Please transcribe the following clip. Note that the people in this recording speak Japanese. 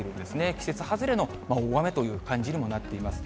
季節外れの大雨という感じになっています。